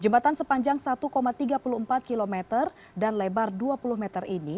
jembatan sepanjang satu tiga puluh empat km dan lebar dua puluh meter ini